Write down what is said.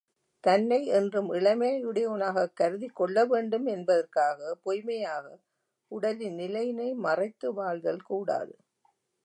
தன்னை என்றும் இளமையுடையோனாகத் கருதிக் கொள்ளவேண்டும் என்பதற்காக பொய்ம்மையாக உடலின் நிலையினை மறைத்து வாழ்தல் கூடாது.